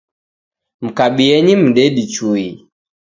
Mkabienyi mdedi chui